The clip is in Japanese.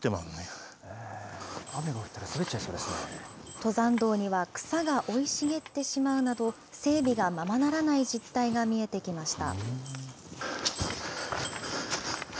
登山道には草が生い茂ってしまうなど、整備がままならない実態が見えてきました。